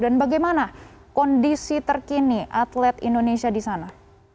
dan bagaimana kondisi terkini atlet indonesia di sana